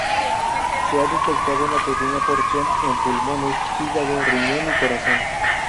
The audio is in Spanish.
Se ha detectado una pequeña porción en pulmones, hígado, riñón y corazón.